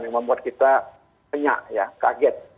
yang membuat kita kenyak ya kaget